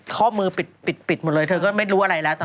ข้อมือปิดหมดเลยเธอก็ไม่รู้อะไรแล้ว